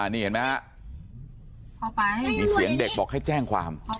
นี่เห็นไหมฮะเข้าไปมีเสียงเด็กบอกให้แจ้งความ